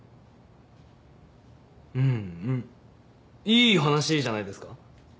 うんうんいい話じゃないですか？